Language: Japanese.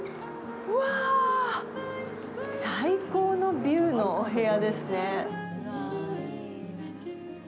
うわぁ、最高のビューのお部屋ですね。